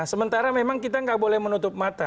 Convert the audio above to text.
sementara memang kita nggak boleh menutup mata